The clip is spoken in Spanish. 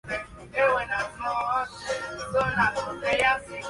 Por eso, deben tomarse todas estas fechas con un criterio más bien pedagógico.